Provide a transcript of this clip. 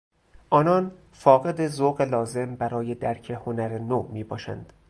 آنان فاقد ذوق لازم برای درک هنر نو میباشند.